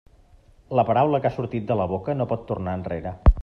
La paraula que ha sortit de la boca no pot tornar enrere.